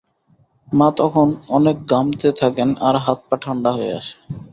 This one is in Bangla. মা তখন অনেক ঘামতে থাকেন আর হাত-পা ঠান্ডা হয়ে আসে।